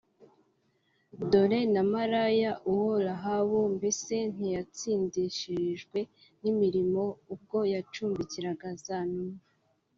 Dore na maraya uwo Rahabu mbese ntiyatsindishirijwe n’imirimo ubwo yacumbikiraga za ntumwa